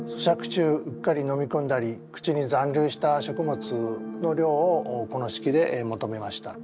中うっかり飲み込んだり口に残留した食物の量をこの式で求めました。